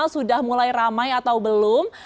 sudah mulai ramai atau belum